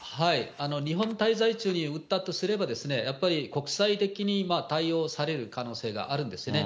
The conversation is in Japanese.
日本滞在中に撃ったとすれば、やっぱり国際的に対応される可能性があるんですね。